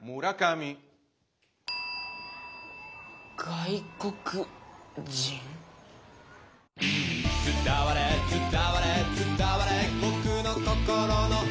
外国人⁉「伝われ伝われ伝われ僕の心の奥の奥」